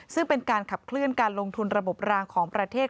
ซึ่งเป็นการขับเคลื่อนการลงทุนระบบรางของประเทศ